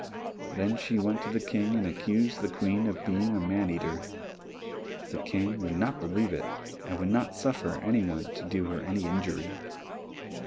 Then she went to the King and accused the Queen of being a man eater. The King would not believe it, and would not suffer any one to do her any injury.